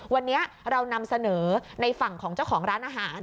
วันนี้เรานำเสนอในฝั่งของเจ้าของร้านอาหาร